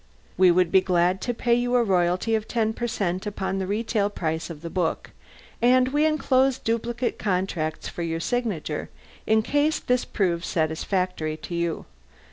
We would be glad to pay you a royalty of 10 percent upon the retail price of the book, and we enclose duplicate contracts for your signature in case this proves satisfactory to you.